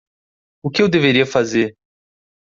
O que eu deveria fazer?